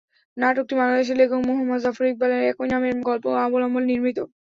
নাটকটি বাংলাদেশি লেখক মুহম্মদ জাফর ইকবালের একই নামের গল্প অবলম্বনে নির্মিত।